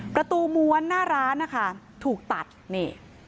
ประตูม้วนหน้าร้านนะคะถูกตัดนี่